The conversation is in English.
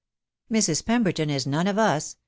Mrs. Pemberton is none of us. •